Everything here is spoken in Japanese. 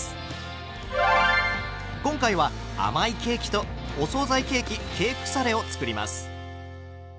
今回は甘いケーキとお総菜ケーキケークサレを作ります。